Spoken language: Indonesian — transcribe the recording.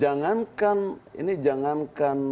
jangankan ini jangankan